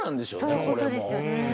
そういうことですよね。